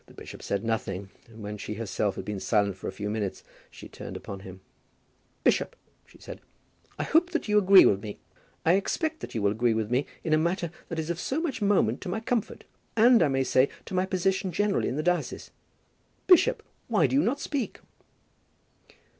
The bishop said nothing; and when she herself had been silent for a few minutes she turned upon him. "Bishop," she said, "I hope that you agree with me. I expect that you will agree with me in a matter that is of so much moment to my comfort, and I may say to my position generally in the diocese. Bishop, why do you not speak?"